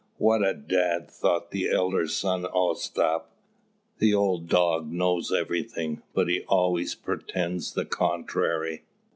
"What a dad!" thought the elder son Ostap. "The old dog knows everything, but he always pretends the contrary."